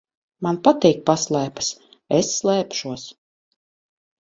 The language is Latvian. Man patīk paslēpes. Es slēpšos.